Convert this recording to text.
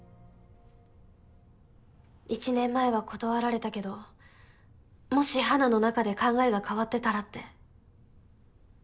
１年前は断られたけどもし花の中で考えが変わってたらって。